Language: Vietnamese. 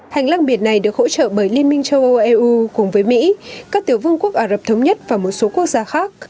hành lang biển này được hỗ trợ bởi liên minh châu âu eu cùng với mỹ các tiểu vương quốc ả rập thống nhất và một số quốc gia khác